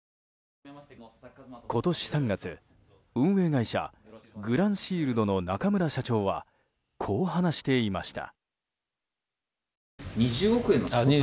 今年３月運営会社グランシールドの中村社長はこう話していました。